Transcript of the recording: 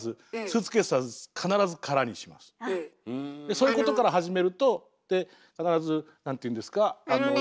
そういうことから始めるとで必ず何ていうんですかあの。